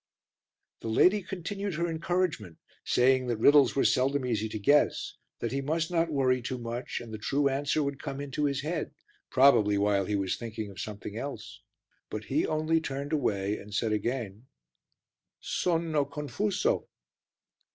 The lady continued her encouragement, saying that riddles were seldom easy to guess, that he must not worry too much and the true answer would come into his head, probably while he was thinking of something else; but he only turned away and said again "Sono confuso."